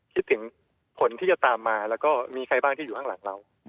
คิดถึงผลที่จะตามมาแล้วก็มีใครบ้างที่อยู่ข้างหลังเรา